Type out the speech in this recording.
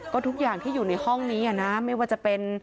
ก็ทุกอย่างที่อยู่ในห้องนี้นะไม่ว่าจะเป็น